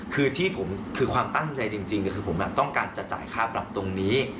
คือที่ผมคือความตั้งใจจริงคือผมต้องการจะจ่ายค่าปรับตรงนี้